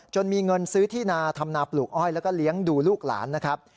มีเงินซื้อที่นาทำนาปลูกอ้อยแล้วก็เลี้ยงดูลูกหลานนะครับ